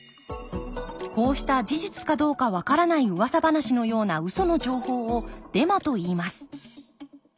こうした事実かどうかわからないうわさ話のようなウソの情報をデマといいます。